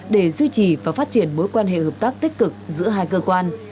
để duy trì và phát triển mối quan hệ hợp tác tích cực giữa hai cơ quan